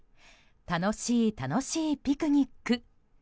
楽しい楽しいピクニック。